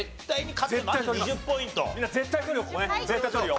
みんな絶対取るよ